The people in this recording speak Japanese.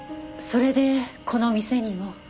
それでこのお店にも？